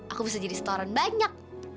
aku bisa jadi setoran banyak